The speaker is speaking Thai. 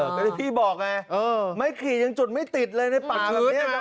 เหมือนที่พี่บอกไม้กรีงยังจุดไม่ติดเลยในป่าอย่างนี้